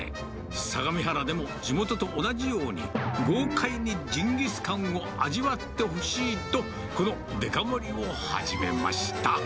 相模原でも地元と同じように、豪快にジンギスカンを味わってほしいと、このデカ盛りを始めました。